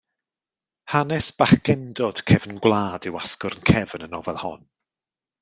Hanes bachgendod cefn gwlad yw asgwrn cefn y nofel hon.